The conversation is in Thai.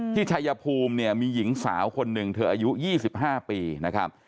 ชายภูมิเนี่ยมีหญิงสาวคนหนึ่งเธออายุ๒๕ปีนะครับ